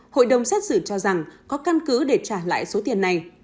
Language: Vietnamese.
hội đồng xét xử cho rằng có căn cứ để trả lại số tiền này